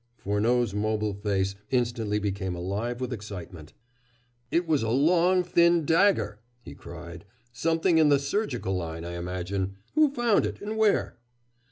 Furneaux's mobile face instantly became alive with excitement. "It was a long, thin dagger," he cried. "Something in the surgical line, I imagine. Who found it, and where?"